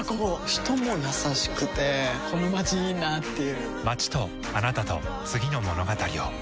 人も優しくてこのまちいいなぁっていう